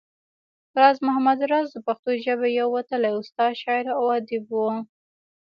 راز محمد راز د پښتو ژبې يو وتلی استاد، شاعر او اديب وو